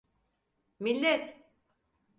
Millet!